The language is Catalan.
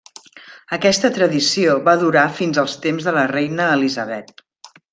Aquesta tradició va durar fins als temps de la reina Elisabet.